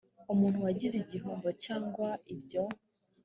umuntu wagize igihombo cyangwa ibyo